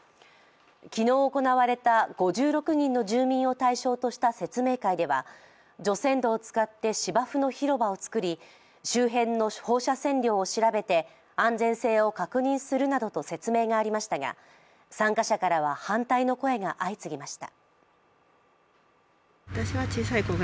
昨日行われた５６人の住民を対象とした説明会では除染土を使って芝生の広場を作り周辺の放射線量を調べて安全性を確認するなどと説明がありましたが参加者からは反対の声が相次ぎました。